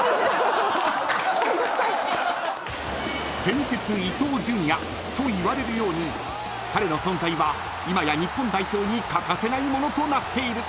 ［「戦術伊東純也」といわれるように彼の存在は今や日本代表に欠かせないものとなっている］